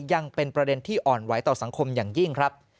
ยังเป็นประเด็นที่อ่อนไหวต่อสังคมอย่างยิ่งครับ